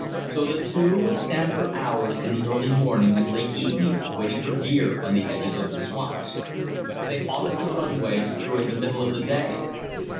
So the two would stand for hours in the early morning and late evening waiting for deer on the edges of the swamps. They haunted the runways during the middle of the day.